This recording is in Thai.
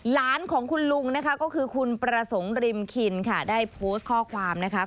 หลานของคุณลุงคุณประสงค์ริมชีนได้โพสต์ข้อความขอบคุณ